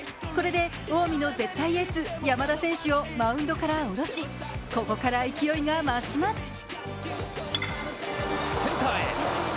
これで近江の絶対エース・山田選手をマウンドから降ろし、ここから勢いが増します。